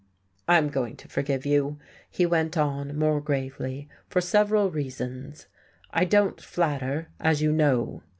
"I am going to forgive you," he went on, more gravely, "for several reasons. I don't flatter, as you know.